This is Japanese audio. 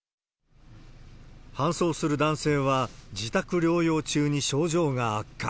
搬送する男性は、自宅療養中に症状が悪化。